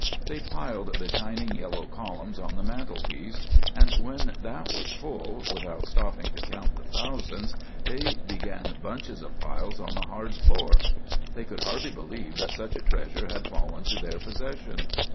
They piled the shining yellow columns on the mantel piece; and when that was full, without stopping to count the thousands, they began bunches of piles on the hard floor. They could hardly believe that such a treasure had fallen to their possession.